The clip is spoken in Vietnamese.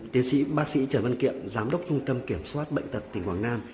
tiến sĩ bác sĩ trần văn kiệm giám đốc trung tâm kiểm soát bệnh tật tỉnh quảng nam